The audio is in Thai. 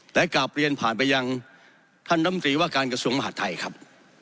และกลับเรียนผ่านไปยังท่านลำตรีว่าการกระทรวงมหาดไทยครับ